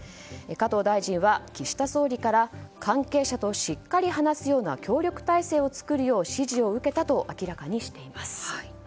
加藤大臣は岸田総理から関係者としっかり話すような協力体制を作るよう指示を受けたと明らかにしています。